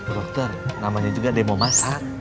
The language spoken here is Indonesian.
dokter namanya juga demo masak